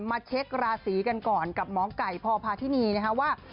มาเช็คราศีกันก่อนกับหมอไก่พพาธินีนะคะว่า